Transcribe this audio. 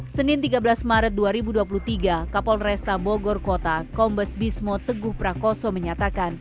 senin tiga belas maret dua ribu dua puluh tiga kapolresta bogor kota kombes bismo teguh prakoso menyatakan